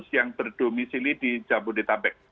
yang terdomisili di jabodetabek